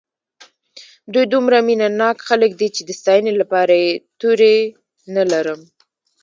دوی دومره مینه ناک خلک دي چې د ستاینې لپاره یې توري نه لرم.